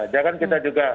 jangan kita juga